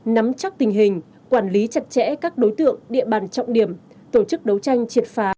nắm chắc tình hình quản lý chặt chẽ các đối tượng địa bàn trọng điểm tổ chức đấu tranh triệt phá